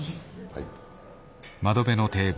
はい。